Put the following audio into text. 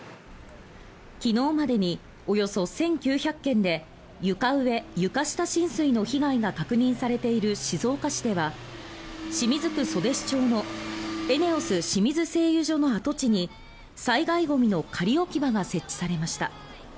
昨日までにおよそ１９００軒で床上・床下浸水の被害が確認されている静岡市では清水区袖師町のエネオス清水製油所の跡地に災害ゴミの仮置き場が設置されました。